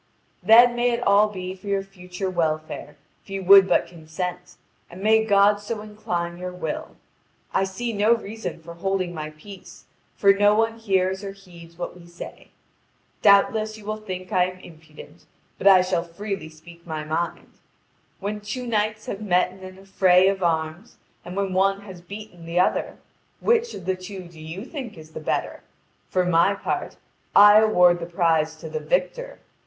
"Then may it all be for your future welfare if you would but consent, and may God so incline your will! I see no reason for holding my peace, for no one hears or heeds what we say. Doubtless you will think I am impudent, but I shall freely speak my mind. When two knights have met in an affray of arms and when one has beaten the other, which of the two do you think is the better? For my part I award the prize to the victor.